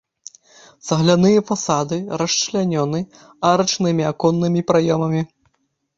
Цагляныя фасады расчлянёны арачнымі аконнымі праёмамі.